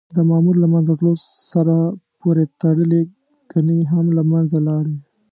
د ماموت له منځه تلو سره پورې تړلي کنې هم له منځه لاړې.